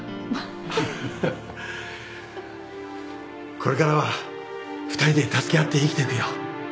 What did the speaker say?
これからは２人で助け合って生きていくよ。